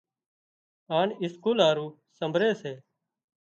هانَ اسڪول هارو سمڀري سي۔